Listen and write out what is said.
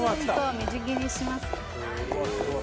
みじん切りにします。